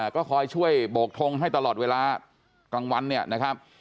ก็คอยช่วยโบกทงให้ตลอดเวลากลางวันเนี่ยนะครับ